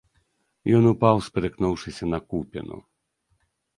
Ён упаў, спатыкнуўшыся, на купіну.